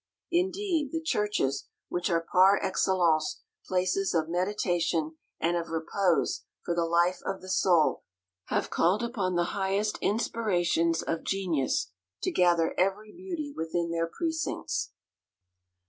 Indeed, the churches, which are par excellence places of meditation and of repose for the life of the soul, have called upon the highest inspirations of genius to gather every beauty within their precincts.